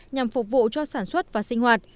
nhằm phục vụ cho sản xuất và sinh hoạt